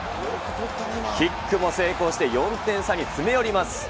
キックも成功して、４点差に詰め寄ります。